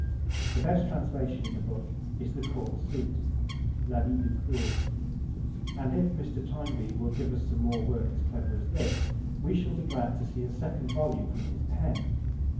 The best translation in the book is The Court Suit (L'Habit de Cour), and if Mr. Toynbee will give us some more work as clever as this we shall be glad to see a second volume from his pen.